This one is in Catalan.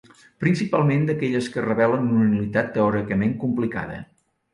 Principalment d'aquelles que revelen una nul·litat teòricament complicada.